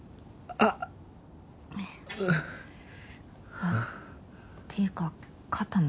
あっっていうか肩も？